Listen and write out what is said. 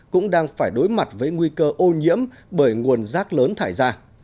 cũng đang phải đối mặt với nguy cơ ô nhiễm bởi nguồn rác lớn thải ra